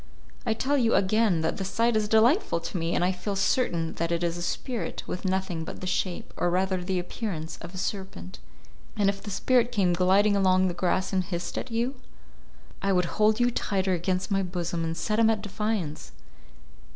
"I tell you, again, that the sight is delightful to me, and I feel certain that it is a spirit with nothing but the shape, or rather the appearance, of a serpent." "And if the spirit came gliding along the grass and hissed at you?" "I would hold you tighter against my bosom, and set him at defiance.